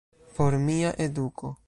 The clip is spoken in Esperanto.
Por mia eduko.